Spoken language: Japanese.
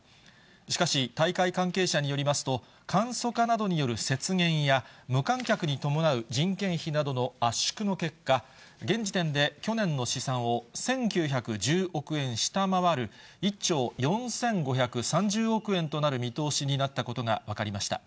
しかし、大会関係者によりますと、簡素化などによる節減や、無観客に伴う人件費などの圧縮の結果、現時点で去年の試算を１９１０億円下回る、１兆４５３０億円となる見通しになったことが分かりました。